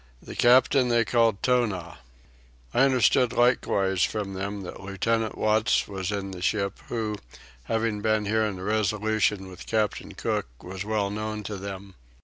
The captain they called Tonah. I understood likewise from them that Lieutenant Watts was in the ship who, having been here in the Resolution with Captain Cook, was well known to them.